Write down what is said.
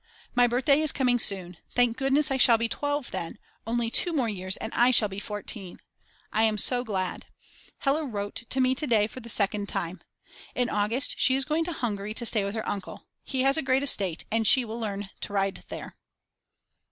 My birthday is coming soon, thank goodness I shall be 12 then, only 2 years more and I shall be 14; I am so glad. Hella wrote to me to day for the second time. In August she is going to Hungary to stay with her uncle, he has a great estate and she will learn to ride there.